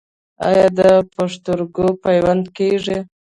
آیا د پښتورګو پیوند کیږي؟